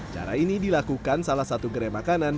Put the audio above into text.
cara ini dilakukan salah satu gerai makanan